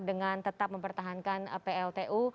dengan tetap mempertahankan pltu